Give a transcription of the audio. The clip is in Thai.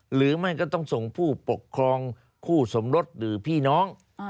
หรือไม่ก็ต้องส่งผู้ปกครองคู่สมรสหรือพี่น้อง